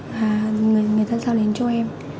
và người ta giao đến cho em